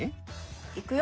いくよ。